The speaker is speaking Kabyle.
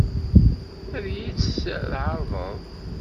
Ad iyi-tt-tɛeṛḍeḍ?